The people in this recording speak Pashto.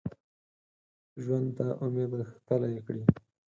ژوند ته امید غښتلی کړي